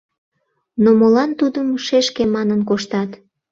Но молан тудым шешке манын коштат?